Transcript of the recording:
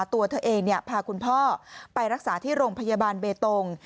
ตัวเธอเองพาคุณพ่อไปรักษาที่โรงพยาบาลเบตง